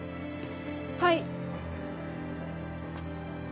はい。